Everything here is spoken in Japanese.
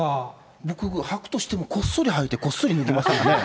僕、はくとしても、こっそりはいて、こっそり脱ぎますよね。